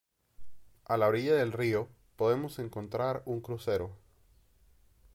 A la orilla del rio, podemos encontrar un crucero.